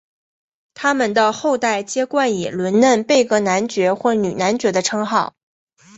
他们的后代皆冠以伦嫩贝格男爵或女男爵的称号。